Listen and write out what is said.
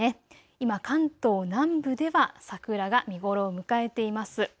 今、関東南部では桜が見頃を迎えています。